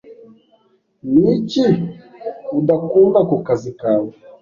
Ni iki udakunda ku kazi kawe?